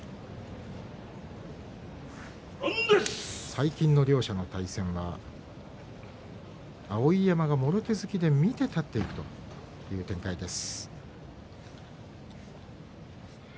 最近の両者の対戦は碧山が、もろ手突きで見て立っていくという展開です。